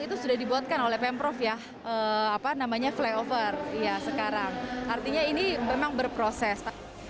itu sudah dibuatkan oleh pemprov ya apa namanya flyover iya sekarang artinya ini memang berproses